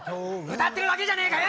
歌ってるだけじゃねえかよ！